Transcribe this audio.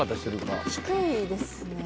低いですね。